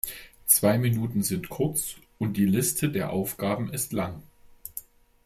Zwei Minuten sind kurz und die Liste der Aufgaben ist lang.